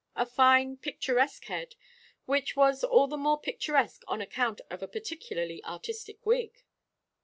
A fine picturesque head, which was all the more picturesque on account of a particularly artistic wig."